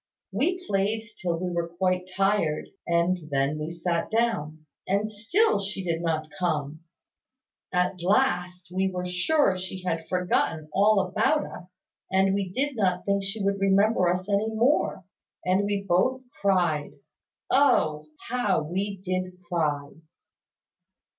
We played till we were quite tired; and then we sat down; and still she did not come. At last, we were sure that she had forgotten all about us; and we did not think she would remember us any more: and we both cried. Oh! How we did cry!